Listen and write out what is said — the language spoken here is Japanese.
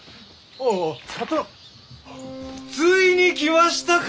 あっついに来ましたか！